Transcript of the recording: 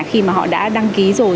khi mà họ đã đăng ký rồi